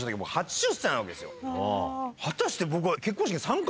果たして僕は。